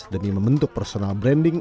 demi membentuk personal branding